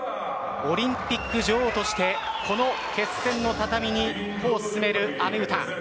オリンピック女王としてこの決戦の畳に歩を進める阿部詩。